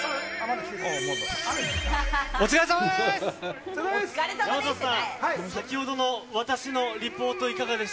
お疲れさまです。